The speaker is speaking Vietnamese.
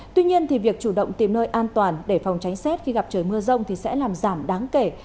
tuy nhiên việc chủ động tìm nơi an toàn để phòng tránh xét khi gặp trời mưa rông thì sẽ làm giảm đáng kể